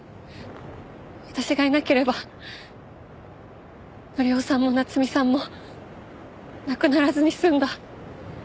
私がいなければ紀夫さんも夏美さんも亡くならずに済んだ。